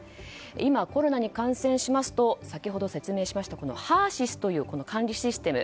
今、コロナに感染しますと先ほど説明したＨＥＲ‐ＳＹＳという管理システム